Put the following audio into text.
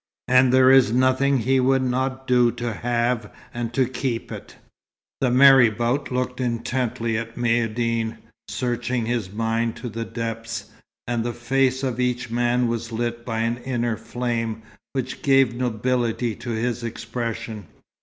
And there is nothing he would not do to have and to keep it." The marabout looked intently at Maïeddine, searching his mind to the depths; and the face of each man was lit by an inner flame, which gave nobility to his expression.